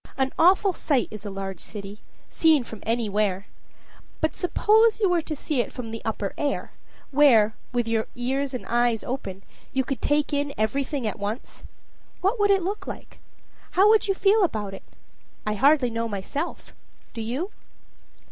An awful sight is a large city, seen any how from any where. But, suppose you were to see it from the upper air, where, with your eyes and ears open, you could take in everything at once? What would it look like? How would you feel about it? I hardly know myself. Do you?